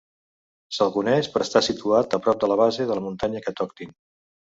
S'el coneix per estar situat a prop de la base de la muntanya Catoctin.